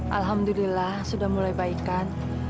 alhamdulillah sudah mulai baikan